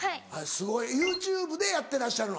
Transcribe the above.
ＹｏｕＴｕｂｅでやってらっしゃるの？